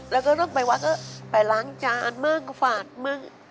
แล้วก็ต้องไปวัดก็ไปล้างจานมั่งฝากมั่ง